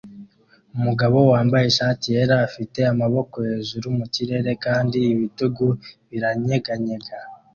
Umugabo wambaye ishati yera afite amaboko hejuru mu kirere kandi ibitugu biranyeganyega